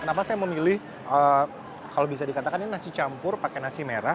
kenapa saya memilih kalau bisa dikatakan ini nasi campur pakai nasi merah